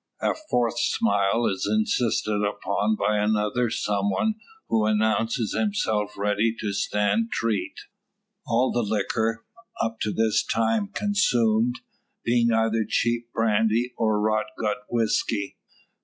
A fourth "smile" is insisted upon by another some one who announces himself ready to stand treat; all the liquor, up to this time consumed, being either cheap brandy or "rot gut" whisky.